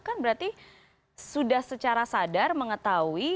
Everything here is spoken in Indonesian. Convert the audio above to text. kan berarti sudah secara sadar mengetahui